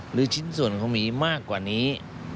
ชิ้นส่วนของหมีมากกว่านี้